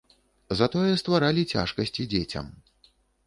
Затое стваралі цяжкасці дзецям.